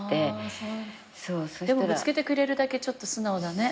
でもぶつけてくれるだけちょっと素直だね。